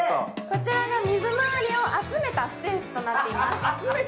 こちらが水回りを集めたスペースとなっています。